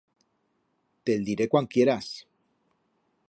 Te'l diré cuan quieras.